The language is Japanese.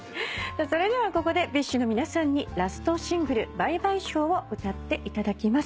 それではここでＢｉＳＨの皆さんにラストシングル『Ｂｙｅ−ＢｙｅＳｈｏｗ』を歌っていただきます。